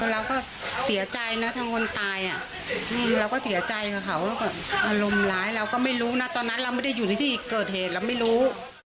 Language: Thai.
เราก็เสียใจนะทั้งคนตายเราก็เสียใจกับเขาแบบอารมณ์ร้ายเราก็ไม่รู้นะตอนนั้นเราไม่ได้อยู่ในที่เกิดเหตุเราไม่รู้